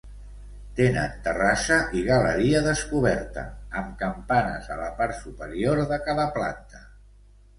Tenen terrassa i galeria descoberta, amb campanes a la part superior de cada planta.